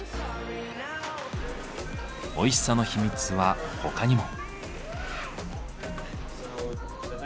おいしさの秘密は他にも。